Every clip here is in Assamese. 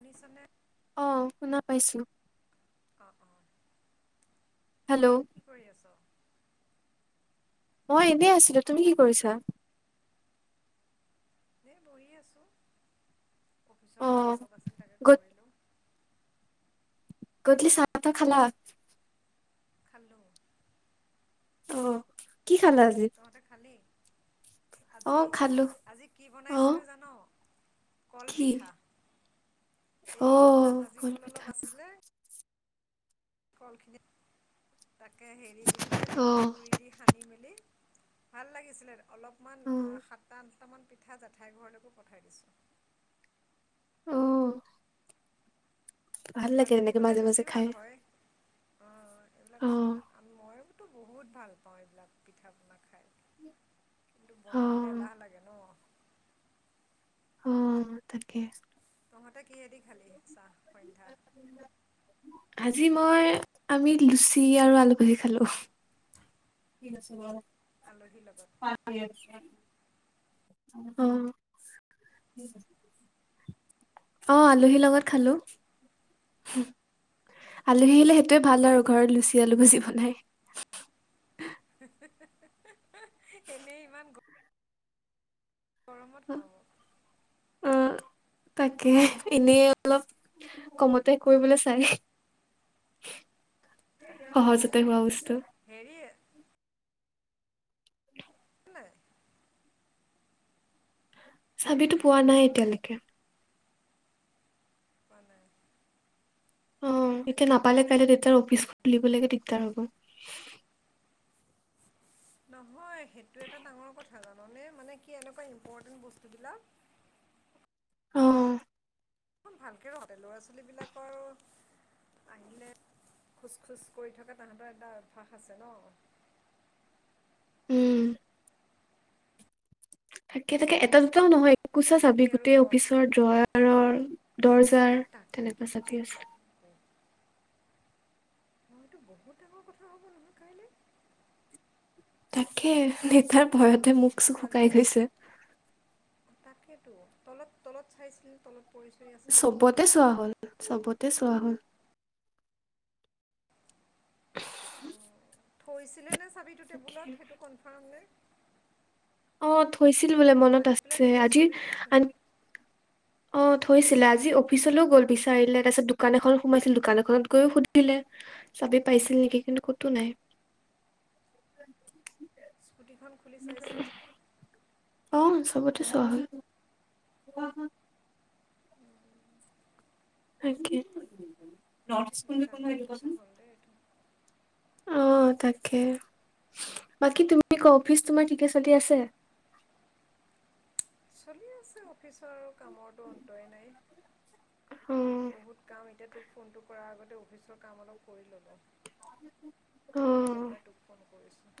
শুনিছানে? অ' শুনা পাইছো অ অ হেল্ল' কি কৰি আছ? মই এনেই আছিলো তুমি কি কৰিছা এ বহ আছো অফিচৰ কাম অ', অলপ আছিল তাকে গধ কৰিলো গধূলি চাহ তাহ খালা খালোঁ অ' কি খালা তহঁতে আজি? তহঁতে খালি আজি অ', খালো। আজি কি অ', বনাইছিলো জানো কল কি? পিঠা এই অ', জাহাজী কল কলপিঠা। অলপ আছিলে [inaudible] তাকে হেৰি দি পেলাই পিঠাগুড়ি দি সানি মেলি উ ভাল লাগিছিলে অলপমান সাতটা আঠটামান পিঠা জেঠাইৰ ঘৰলৈকো পঠাই দিছোঁ। [inaudible] অ', ভাল লাগে পিঠাগুড়ি এনেকে হ'লে মাজে বেছি মাজে ভাল খাই হয়। অঁ এইবিলাক অ', ময়োতো বহুত ভাল পাওঁ এইবিলাক পিঠা পনা খাই কিন্তু বনাবলে অ', এলাহ লাগে ন অহ তাকে তহঁতে কিহেদি খালি চাহ সন্ধ্যা আজি মই আমি লুচি আৰু আলু ভাজি খালো আলহীৰ লগত [unintelligible] অহ অ আলহীৰ লগত খালো আলহী আহিলে সেইটোৱে ভাল আৰু ঘৰত লুচি আলু ভাজি বনাই এনেই ইমান গ গৰমত ল'ব। অ', তাকে এনে অলপ কমতে কৰিবলৈ চাই। তাকে সহজতে হোৱা বস্তু। হেৰি [unintelligible] চাবিতো পোৱা নাই এতিয়ালৈকে। [unintelligible] অ এতিয়া নাপালে কাইলৈ দেউতাৰ অফিচ খুলিবলৈকে দিগদাৰ হ'ব। নহয় সেইটো এটা ডাঙৰ কথা জাননে মানে কি এনেকুৱা ইম্পৰ্টেণ্ট বস্তুবিলাক। [unintelligible] অ ইমান ভালকৈ ৰোঁতে ল'ৰা ছোৱালীবিলাকৰ। আহিলে খোজ খোজ কৰি থকা তাহাঁতৰ এটা অভ্যাস আছে ন। [unintelligible] উম থাকে থাকে এটা দুটাও নহয়। এককোচা বাকী চাবি আৰু ক গোটেই অফিচৰ দ্ৰয়াৰৰ, দৰ্জাৰ ন তেনেকুৱা চাবি আছিল। তাকে মইতো বহুত ডাঙৰ কথা হ'ব নহয় কাইলৈ। তাকে দেউতাৰ এইটো ভয়তে মুখ চুখ শুকাই ছোৱালীজনীক গৈছে। ত তলত তলত চাইছিলে তলত। পৰি চৰি আছে নেকি চবতে চোৱা হ'ল চবতে। তাতে চোৱা হ'ল। অঁ, থৈছিলে নে চাবিটো টেবুলত সেইটো কনফাৰ্ম নে অ থৈছিল বোলে মনত আনি পেলাই আছে দেউতাই আজি ছবিটো থৈ আন অ থৈছিলে আজি অফিচলৈও গ'ল বিচাৰিলে তাৰপিছত দোকান এখনো সোমাইছিল দোকান এখনত গৈয়ো সুধিলে চাবি পাইছিল নেকি কিন্তু ক'তো নাই ধুটিখন খুলি চাইছিলে আহ চবতে চোৱা হল [unintelligible] বৰ ডাঙৰ কথা হ'ল দেই এইটো অ তাকে বাকী তুমি ক অফিচ তোমাৰ ঠিকে চালি আছে [inaudible] চলি আছে অফিচৰ আৰু কামৰতো অন্তই নাই অ বহুত কাম এতিয়া তোক ফোনটো কৰাৰ আগতে অফিচৰ কাম অলপ কৰি ল'লো অ কৰিলৈ পেলাই তোক ফোন কৰিছো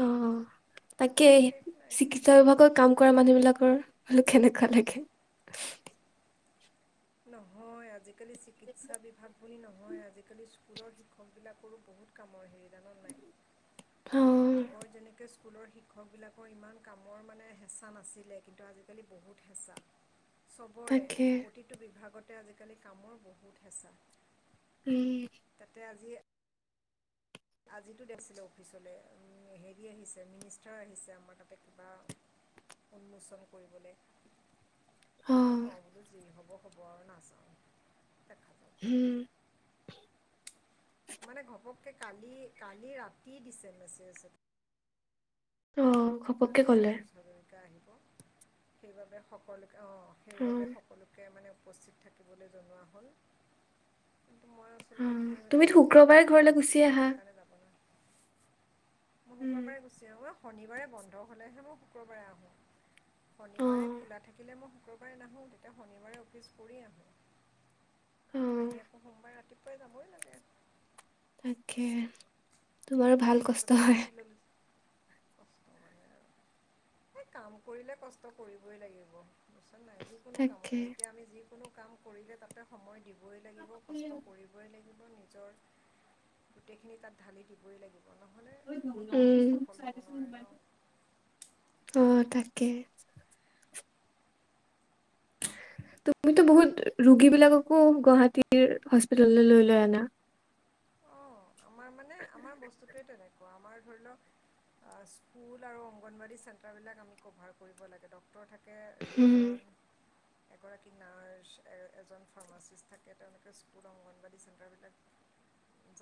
অ তাকে নাই চিকিৎসা বিভাগত কাম কৰা মানুহ বিলাক অ কেনেকুৱা লাগে নহয় আজিকালি চিকিৎসা বিভাগ বুলি নহয়। হয় আজিকালি স্কুলৰ শিক্ষক বিলাকৰো বহুত কামৰ হেৰি জান নাই, অ আগৰ যেনেকে স্কুলৰ শিক্ষকবিলাকৰ ইমান কামৰ মানে হেঁচা নাছিলে কিন্তু আজিকালি বহুত হেঁচা চবৰে তাকে প্ৰতিটো বিভাগতে আজিকালি কামৰ বহুত হেঁচা উম তাতে আজি আজিতো দেখছিলো অফিচলৈ হেৰি আহিছে মিনিষ্টাৰ আহিছে আমাৰ তাতে কিবা উন্মোচন কৰিবলৈ অ এইটো মই বোলো যি হব হব আৰু নাচাও দেখা যাওক যি উম হয় মানে ঘপককে কালি কালি ৰাতি দিছে মেছেজ অ ঘপককে পিয়ুষ ক'লে হাজৰিকা আহিব সেইবাবে সকলো অহ, অ সেইবাবে সকলোকে মানে উপস্থিত থাকিবলৈ জনোৱা হ'ল। কিন্তু মই অ আচলতে কি হয় তুমিতো এক মই শুক্ৰবাৰে প্ৰস্তুত ঘৰলৈ গুচি নাছিলোঁ আহা সেইকাৰণে যাব নোৱাৰি মই উম শুক্ৰবাৰে গুচি আহো অ শনিবাৰে বন্ধ হলেহে মই শুক্ৰবাৰে আহো শনিবাৰে অ খোলা থাকিলে মই শুক্ৰবাৰে নাহোঁ তেতিয়া শনিবাৰে অফিচ কৰি আহোঁ অ আহি আকৌ সোমবাৰে ৰাতিপুৱাই যাবই লাগে তাকে তোমাৰো তাৰমানে ভাল কষ্ট মাজতে হয় ছুটি ল'লোঁ কষ্ট মানে আৰু। এই কাম কৰিলে কষ্ট কৰিবই লাগিব। বচ নাই যিকোনো তাকে কামতে এতিয়া আমি যিকোনো কাম কৰিলে তাতে সময় দিব লাগিব কষ্ট কৰিবই লাগিব নিজৰ গোটেই খিনি তাত ধালি দিব উম সফল হ'ব নোৱাৰে ন অ তা কি [unintelligible] তুমিতো বহুত ৰোগীবিলাককো গুৱাহাটীৰ হস্পিতাললৈ লৈ লৈ আনা। অঁ [unintelligible] আমাৰ মানে আমাৰ বস্তুটোৱে তেনেকুৱা আমাৰ ধৰি লক স্কুল আৰু অংগনবাদী চেন্টাৰ বিলাক আমি কভাৰ কৰিব লাগে ডক্তৰ থাকে উম দুজন। এগৰাকী নাৰ্চ এজন ফাৰ্মাচিষ্ট থাকে তেওঁলোকে স্কুল অংগনবাাদী চেণ্টাৰবিলাক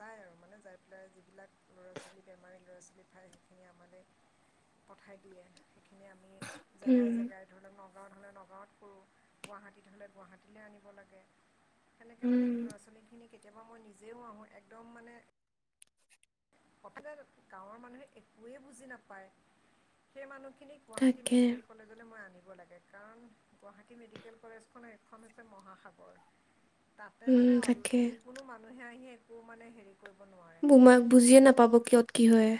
যাই আৰু মানে যাই পেলাই যিবিলাক ল'ৰা ছোৱালী বেমাৰী ল'ৰা ছোৱালী পায় সেইখিনি আমালে পঠাই দিয়ে সেইখিনি আমি উম জেগাই-জেগাই ধৰি লওঁক নগাঁৱত হ'লে নগাঁৱত কৰোঁ গুৱাহাটীত হ'লে গুৱাহাটীলে আনিব লাগে সেনেকে উম মানে সেই ল'ৰা ছোৱালীখিনি কেতিয়াবা মই নিজেও আহোঁ একদম মানে [inaudible] সহজে গাঁৱৰ মানুহে একোৱেই বুজি নাপায় সেই মানুহ গুৱাহাটী তাকে মেডিকেল কলেজলৈ মই আনিম কৰিব লাগে গুৱাহাটী মেডিকেল কলেজ খনৰ এখন মহাসাগৰ। তাতে উম মানে অল তাকে যিকোনো মানুহে আহি একো মানে হেৰি কৰিব নোৱাৰে বোমাক বুজিছ বুজিয়ে নাই নাপাব কিয়ত কি হয়?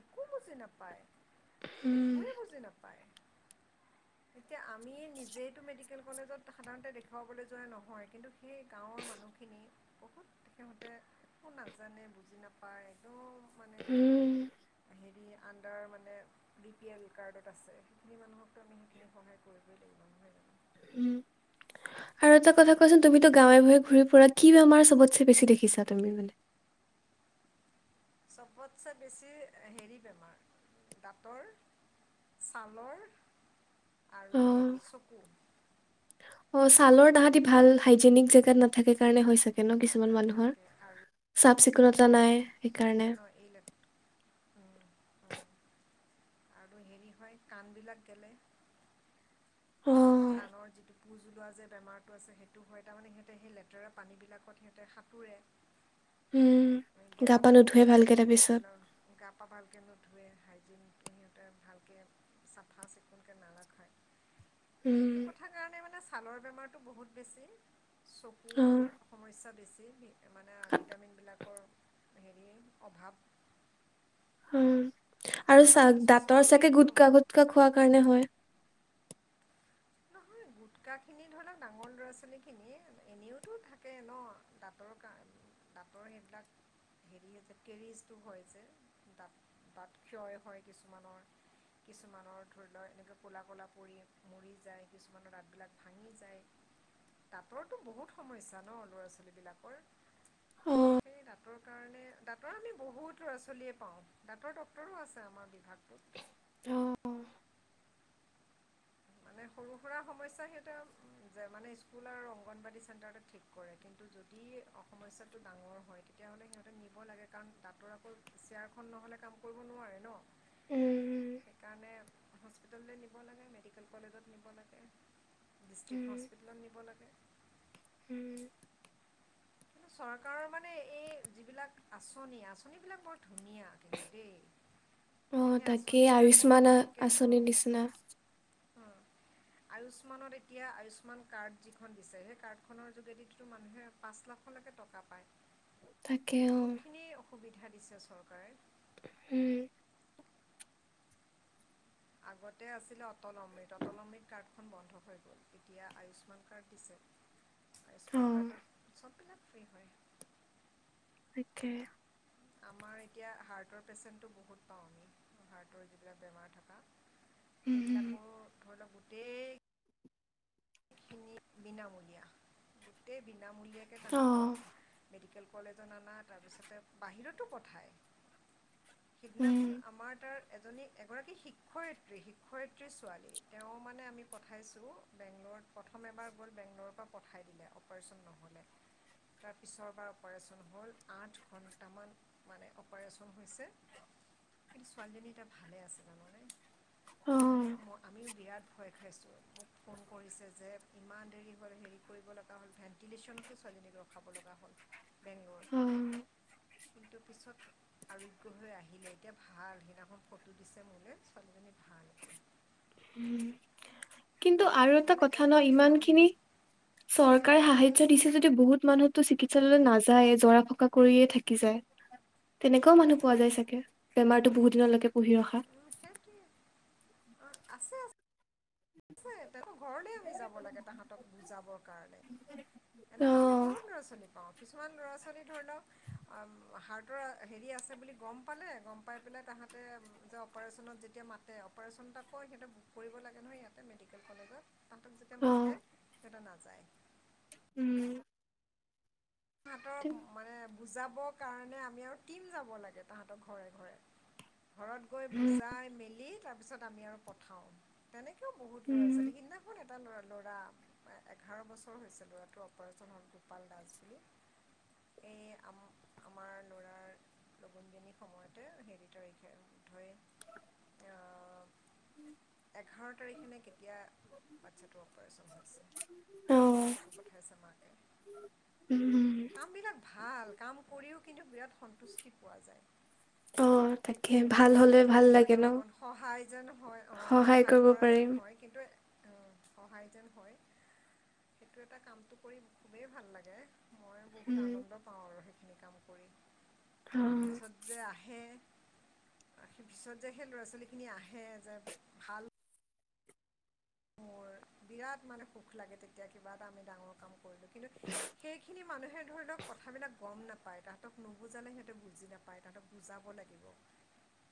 একো বুজি নাপায় উম একোৱে বুজি নাপায়। [inaudible] এতিয়া আমি নিজেইটো মেডিকেল কলেজত সাধাৰণতে দেখুৱাবলৈ যোৱা নহয় কিন্তু সেই গাঁৱৰ, মানুহখিনি বহুত সিহঁতে একো নাজানে বুজি নাপায় একদম, উম, আমাৰ মানে বি পি এল কাৰ্ডত আছে সেইখিনি মানুহকতো আমি সেইখিনি সহায় কৰিবই লাগিব নহয় জানো। উম, আৰু এটা কথা কোৱাচোন তুমিতো গাঁৱে ভূঞে ঘূৰি ফুৰাত কি বেমাৰ চবতে বেছি দেখিছা তুমি মানে। চবতছে বেছি হেৰি বেমাৰ, দাঁতৰ। ছালৰ অ আৰু হেৰি চকু অ' ছালৰ তাহাঁতি ভাল হাইজেনিক জেগাত নাথাকে কাৰণে হয় চাগে। [unintelligible] কিছুমান মানুহৰ নাথাকে আৰু চাফ চিকুণতা নাই কি সেইকাৰণে [inaudible] জান এই লেট আৰু হেৰি হয় কাণবিলাক গেলে অ কাণৰ যিটো পুজ ওলোৱা যে বেমাৰতটো আছে সেইটো হয় তাৰানে সিহঁতে সেই লেতেৰা পানী বিলাকত সিহঁতে [inaudible] উম গা পা গেলাপানী নুধুৱে বিলাকত ভালকে ধৰি তাৰপিছত লও গা পা ভালকে নুধুৱে হাইজিন সিহঁতে ভালকৈ চাফা চিকুণকৈ নাৰাখায় উম। ছালৰ বেমাৰটো বহুত বেছি অ চকুৰ সমস্যা বেছি মানে ভিটামিনবিলাকৰ হেৰি অভাৱ অ' আৰু আমাৰ চাক চশমাও দাঁতৰ চাকে দিয়েতো গুটকা গুটকা খোৱা কাৰণে হয় [inaudible] গুটকাখিনি ধৰি লওক ডাঙৰ ল'ৰা ছোৱালীখিনিয়ে এনেওতো থাকে ন দাঁতৰ কাৰ। সেইবিলাক হেৰি হৈছে কেৰিজটো হয় যে দাঁত তাঁত ক্ষয় হয় কিছুমানৰ। কিছুমানৰ ধৰি লও এনেকে ক'লা কলা পৰি মৰি যায়। কিছুমানৰ দাতবিলাক ভাঙি যায়। দাঁতৰ টো [unintelligible] বহুত সমস্যা ন ল'ৰা ছোৱালী বিলাকৰ অ দাঁতৰ কাৰণে দাঁতৰ আমি বহুত ল'ৰা ছোৱালীয়ে পাওঁ দাঁতৰ ড্টৰো [unintelligible] আছে আমাৰ বিভাগ অ মানে সৰু সুৰা সমস্যা [unintelligible] সেইটো উ যে মানে স্কুল আৰু অংগনবাদী চেণ্টাৰ ঠিক কৰে কিন্তু যদি সমস্যাটো ডাঙৰ হয় তেতিয়াহ'লে সিহঁতে নিব লাগে কাৰণ দাঁতৰ আকৌ চেয়াৰখন নহয় কাম কৰিব নোৱাৰে ন উম সেইকাৰণে হস্পিটেললৈ নিব লাগে মেডিকেল কলেজত নিব লাগে ডিষ্ট্ৰিক্ উম হস্পিটেলত নিব লাগে উম কিন্তু চৰকাৰৰ মানে এই যিবিলাক আঁচনি [unintelligible] বিলাক বৰ ধুনীয়া কিন্তু দেই কিন্তু অহ সেই তাকেই আঁচনিবিলাকত আয়ুস্মান ভালকৈ অঁ আঁচনিৰ নিচিনা অঁ আয়ুস্মানত এতিয়া আয়ুস্মান কাৰ্ড যিখন দিছে সেই কাৰ্ডখনৰ যোগেদি মানুহে পাঁচ লাখ তাকে অ বহুত খিনি অসুবিধা দিছে চৰকাৰে হম। আগতে আছিলে অটল অমৃত অটল অমৃত কাৰ্ড খ বন্ধ হৈ গল এতিয়া আয়ুস্মান কাৰ্ড দিছে [inaudible] অ আয়ুস্মান কাৰ্ডত চব বিলাক ফ্ৰী হয় তাকে আমাৰ এতিয়া হাৰ্টৰ পেচেণ্টটো বহুত পাওঁ আমি হাৰ্টৰ যিবিলাক বেমাৰ থকা উম উম সেইবিলাকো ধৰি লওক গোটেইি খিনি বিনামূলীয়া গোটেই বিনামূলীয়াকৈ অ তাহাঁতক মেডিকেল কলেজত অনা তাৰপিছতে বাহিৰতো পঠাই উম সিদিনাখন আমাৰ তাৰ এজনী এগৰাকী শিক্ষয়িত্ৰী শিক্ষয়িত্ৰী ছোৱালী তেওঁ মানে আমি পঠাইছোঁ বেংলৰ প্ৰথম এবাৰ গ'ল বেংগল'ৰৰ পৰা পঠাই দিলে অপাৰেচন নহ'লে তাৰ পিছৰবাৰ অপাৰেচন হ'ল আঠ ঘন্ দুটামান মানে অপাৰেচন হৈছে কিন্তু ছোৱালীজনী এতিয়া ভালে আছে জানানে অ মানে মই আমিও বিৰাট ভয় খাইছোঁ মোক ফোন কৰিছে যে ইমান দেৰি হ'ল হেৰি কৰিব লগা হ'ল ভেণ্টিলেশ্যনতো চাই ৰখাব লগা হ'ল বেংগলোৰত উম কিন্তু পিছত আৰোগ্য হৈ আহিলে এতিয়া ভাল সিদিনাখন ফটো দিছে মোলৈ ছোৱালীজনী ভাল এতিয়া উম। কিন্তু আৰু এটা মানে কথা ন একদম ইমান বিনামূলীয়া খিনি হয় চৰকাৰে সাহায দিছে যদিও বহুত মানুহতো চিকিৎসালয়লৈ নাযায় জৰা ফুকা কৰিয়ে থাকি যায়। তেনেকুুৱাও মানুহ পোৱা যায় চাগে বেমাৰতো বহুত দিনলৈকে পুহি ৰখা। অ আছে আছে ত ঘৰলে আমি যাব লাগে তাহাঁতক বুজাবৰ কাৰণে অ এনেকুৱা আমি বহুত লৰা ছোৱালী কিছুমান ল'ৰা ছোৱালী ধৰি লওক হাৰ্টৰ হেৰি আছে বুলি গম পালে গম পাই পেলায় তাহাঁতে যে অপাৰেচনত যেতিয়া মাতে অপাৰেচন এটা কয় সিহঁত কৰিব লাগে নহয় ইয়াতে মেডিকেল কলেজত তাহাতক যেতিয়া মাতে অ', সিহতে নাজ উম। তাহাতক মানে বুজাবৰ কাৰণে আমি আৰু টীম যাব লাগে তাহাঁতৰ ঘৰে ঘৰে ঘৰত গৈ উম, বুজাই মেলি তাৰ পিছত আমি আৰু পঠাও তেনেকে কিয় বহু ল'ৰা ছোৱাল উম, সদিনাখন এটা ল' ল'ৰা এঘাৰ বছৰ হৈছে ল'ৰাটোৰ অপাৰেচন হ'ল গোপাল দাস বুলি এই আম আমাৰ কৰ লগুণদিয়নী সময়তে হেৰি তাৰিখে ধৰ উম এঘাৰ তাৰিখেনে কেতিয়া বাচ্ছাটো অপাৰচন হৈছে। মানে অ', ফটো পঠাইছে মাকে উম, কামবিলাক ভাল কাম কৰিও কিন্তু বিৰাট সন্তুষ্টি পোৱা যায় অ', তাকে এনেকুৱা ভাল মানুহ হলে ভাল খিনিক ধৰি লাগে ন লওক অকন সহায় যেন হয় অ সহায় কৰিব কৰা যেন পাৰিম। হয় কিন্তু এ সহায় যেন হয় সেইটো এটা কামটো কৰি খুবেই ভাল লাগে মই বহুত উম আনন্দ পাওঁ আৰু সেইখিনি কাম কৰি অ পিছত যে আহে সেই পিছত যে সেই ল'ৰা ছোৱালীখিনি আহে যে ভাল মোৰ বিৰাট মানে সুখ লাগে তেতিয়া কিবা এটা আমি ডাঙৰ কাম কৰিলো কিন্তু সেইখিনি মানুহে ধৰি লওক কথাবিলাক গম নাপায় পায় তাহাঁতক নুবুজালে সিহঁতে বুজি নাপায় তাহাঁতক বুজাব লাগিব।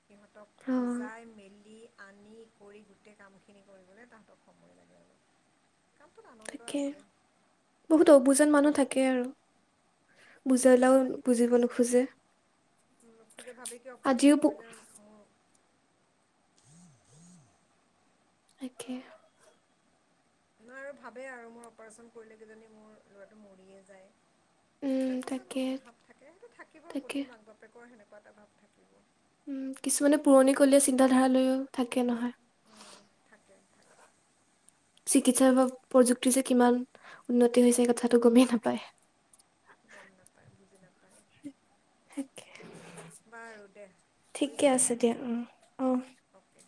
সিহঁতক অ', বুজাই মেলি আনি কৰি গোটেই কামখিনি কৰিবলৈ তাহ আনন্দ থাকে আছে বহুত অবুজন মানুহ থাকে আৰু। বুজালাও থাকে বুজিব কিছু নোখোজে নোখোজে ভাবে কি অপাৰেশ্যন আজিও কৰিলে মোৰ তাকে। নহয় আৰু ভাবেই আৰু মোৰ অপাৰচন কৰিলে কিজানী মোৰ ল'ৰাটো মৰিয়ে যায়। উম এনেকুৱা এটা তাকে মনত ভাৱ থাকে, সেইটো থাকিব। তাকে প্ৰতি মাক বাপেকৰ সেনেকুৱা এটা ভাৱ থাকে। কিছুমানে পুৰণিকলীয়া চিন্তাধাৰালৈও থাকে নহয়। থাকে থাকে চিকিৎসাৰ বা প্ৰযুক্তি যে কিমান উন্নতি হৈছে সেই কথাটো গমেই নাপায়। [unintelligible] বাৰু দে ঠিকে থৈছোঁ আছে দিয়া উম অ। অ'কে